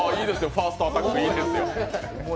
ファーストアタック、いいですよ。